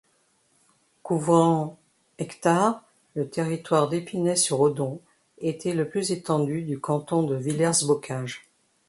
Couvrant hectares, le territoire d'Épinay-sur-Odon était le plus étendu du canton de Villers-Bocage.